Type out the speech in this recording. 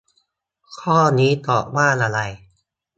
ข้อนี้ตอบว่าอะไร